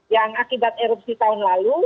yang akibat erupsi tahun lalu